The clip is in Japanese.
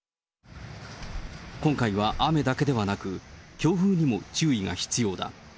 今回は雨だけではなく、強風にも注意が必要だ。